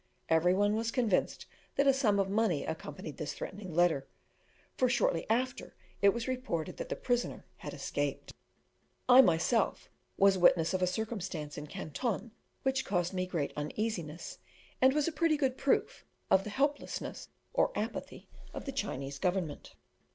Every one was convinced that a sum of money accompanied this threatening letter, for shortly after it was reported that the prisoner had escaped. I myself was witness of a circumstance in Canton, which caused me great uneasiness, and was a pretty good proof of the helplessness or apathy of the Chinese government.